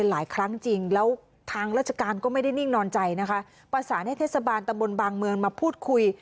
แล้วทางราชการก็ไม่ได้นิ่งนอนใจนะคะประสานให้เทศบาลตระบลบางเมืองมาพูดคุย